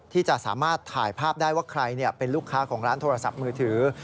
ที่จะสามารถถ่ายภาพได้ว่าใครเป็นลูกค้าของร้านโทรศัพท์มือถือ